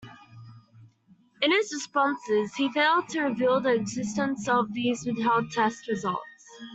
In his responses he failed to reveal the existence of these withheld test results.